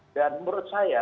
dan menurut saya